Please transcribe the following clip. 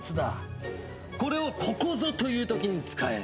これをここぞというときに使え。